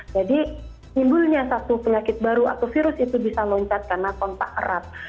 jadi timbulnya satu penyakit baru atau virus itu bisa loncat karena kontak erat